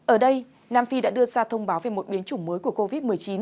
ở đây nam phi đã đưa ra thông báo về một biến chủng mới của covid một mươi chín